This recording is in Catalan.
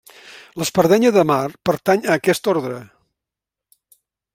L'espardenya de mar pertany a aquest ordre.